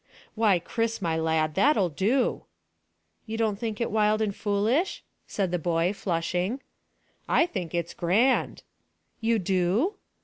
Why, Chris, my lad, that'll do." "You don't think it wild and foolish?" said the boy, flushing. "I think it's grand." "You do?"